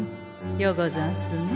ようござんすね。